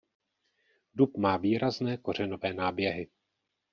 Dub má výrazné kořenové náběhy.